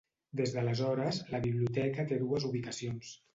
Des d'aleshores, la biblioteca té dues ubicacions: